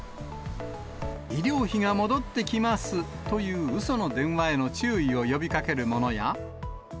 医療費が戻ってきますといううその電話への注意を呼びかけるものや。